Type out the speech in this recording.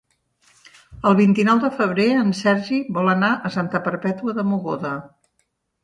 El vint-i-nou de febrer en Sergi vol anar a Santa Perpètua de Mogoda.